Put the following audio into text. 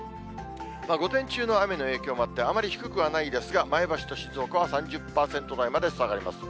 午前中の雨の影響もあって、あまり低くはないですが、前橋と静岡は３０％台まで下がります。